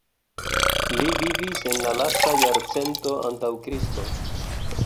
Li vivis en la lasta jc antaŭ Kristo.